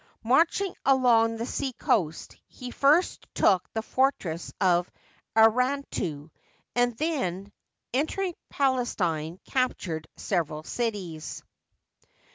Marching along the sea coast, he first took the fortress oiArantu, and then, enter ing Palestine, captured several cities.